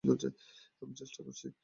আমি চেষ্টা করছি!